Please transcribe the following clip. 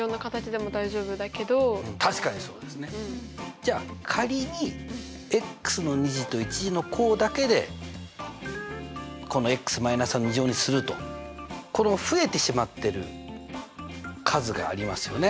じゃあ仮にの２次と１次の項だけでここの増えてしまってる数がありますよね。